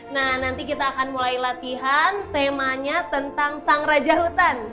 nah nanti kita akan mulai latihan temanya tentang sang raja hutan